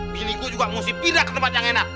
biniku juga mesti pindah ke tempat yang enak